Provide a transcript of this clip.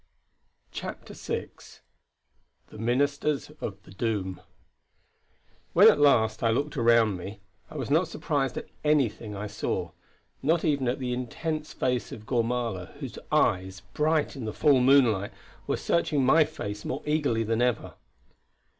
CHAPTER VI THE MINISTERS OF THE DOOM When at last I looked around me I was not surprised at anything I saw; not even at the intense face of Gormala whose eyes, bright in the full moonlight, were searching my face more eagerly than ever.